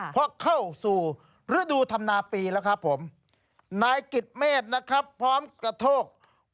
เพราะเข้าสู่ฤดูธรรมนาปีแล้วครับผมนายกิจเมษนะครับพร้อมกระโทก